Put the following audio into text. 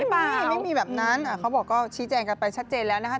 ไม่มีแบบนั้นเขาบอกก็ชี้แจงกันไปชัดเจนแล้วนะคะ